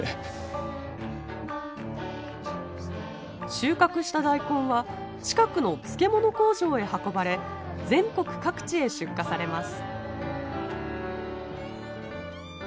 収穫した大根は近くの漬物工場へ運ばれ全国各地へ出荷されます。